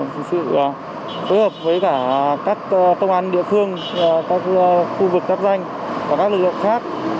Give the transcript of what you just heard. thì sự phối hợp với cả các công an địa phương các khu vực các danh và các lực lượng khác